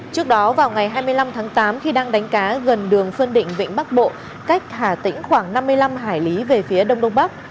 trước đó vào ngày hai mươi năm tháng tám khi đang đánh cá gần đường xuân định vịnh bắc bộ cách hà tĩnh khoảng năm mươi năm hải lý về phía đông đông bắc